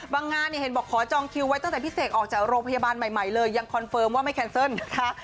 งานเนี่ยเห็นบอกขอจองคิวไว้ตั้งแต่พี่เสกออกจากโรงพยาบาลใหม่เลยยังคอนเฟิร์มว่าไม่แคนเซิลนะคะ